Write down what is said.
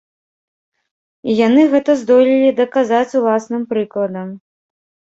І яны гэта здолелі даказаць уласным прыкладам.